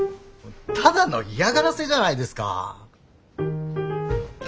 ただの嫌がらせじゃないですか。